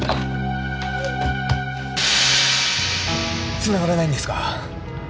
繋がらないんですか？